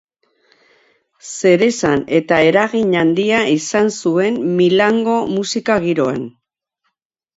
Zeresan eta eragin handia izan zuen Milango musika-giroan.